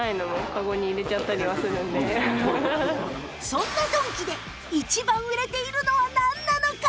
そんなドンキで一番売れているのはなんなのか？